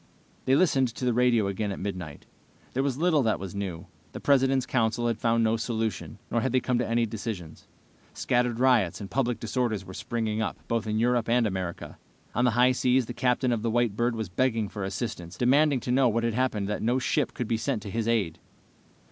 They listened to the radio again at midnight. There was little that was new. The President's council had found no solution, nor had they come to any decisions. Scattered riots and public disorders were springing up, both in Europe and America. On the high seas, the captain of the White Bird was begging for assistance, demanding to know what had happened that no ship could be sent to his aid.